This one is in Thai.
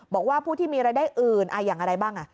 บอกว่าผู้ที่มีรายได้อื่นอย่างอะไรบ้าง